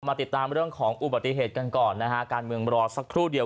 ติดตามเรื่องของอุบัติเหตุกันก่อนนะฮะการเมืองรอสักครู่เดียว